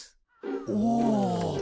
おお。